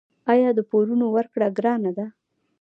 آیا د پورونو ورکړه ګرانه ده؟